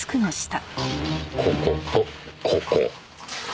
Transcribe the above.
こことここ。